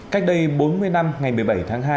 cách đây bốn mươi năm ngày một mươi bảy tháng hai